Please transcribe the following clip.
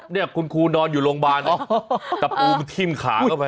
เนี่ยคุณครูนอนอยู่โรงพยาบาลเนอะตะปูมันทิ้มขาเข้าไป